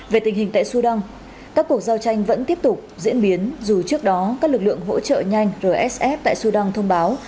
về tình hình tại sudan các cuộc giao tranh vẫn tiếp tục diễn biến dù trước đó các lực lượng hỗ trợ nhanh rsf tại sudan thông báo